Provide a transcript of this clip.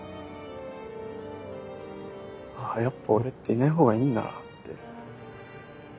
「あぁやっぱ俺っていない方がいいんだな」って。